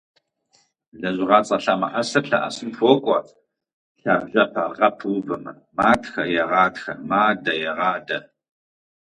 Лэжьыгъэцӏэ лъэмыӏэсыр лъэӏэсым хуокӏуэ лъабжьэпэ - гъэ пыувэмэ: матхэ - егъатхэ, мадэ - егъадэ.